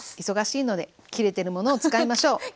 忙しいので切れてるものを使いましょう！